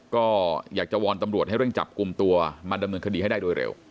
ก็อยากจะวอนตำรวจให้เร่งจับกลุ่มตัวมาดำเนินคดีให้ได้โดยเร็ว